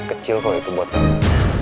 kecil kalau itu buat kamu